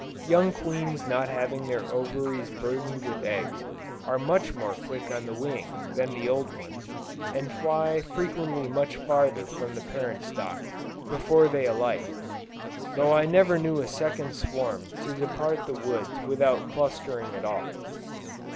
Young queens not having their ovaries burdened with eggs, are much more quick on the wing, than old ones, and fly frequently much farther from the parent stock, before they alight; though I never knew a second swarm to depart to the woods without clustering at all.